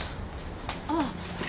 あっ！